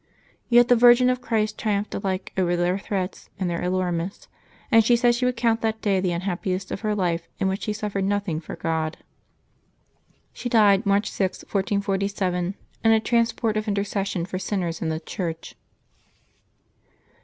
Yet the virgin of Christ triumphed alike over their threats and their allurements, and said she would count that day the unhappiest of her life in which she suffered nothing for her God. She died Maboh 7] LIVES OF THE SAINTS 99 March 6, 1447, in a transport of intercession for sinners and the Church.